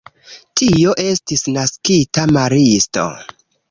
Tio estis naskita maristo.